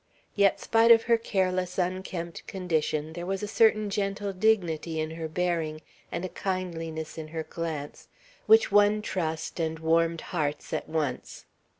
Yet spite of her careless, unkempt condition, there was a certain gentle dignity in her bearing, and a kindliness in her glance, which won trust and warmed hearts at once.